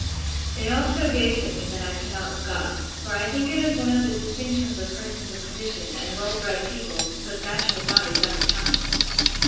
They all so gazed at me, that I could not look up; for I think it is one of the distinctions of persons of condition, and well bred people, to put bashful bodies out of countenance.